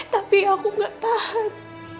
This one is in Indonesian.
tapi aku gak tahan